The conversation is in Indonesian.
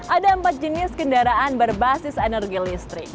ada empat jenis kendaraan berbasis energi listrik